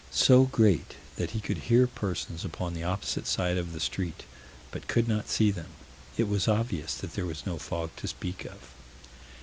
so great that he could hear persons upon the opposite side of the street, but could not see them "It was obvious that there was no fog to speak of."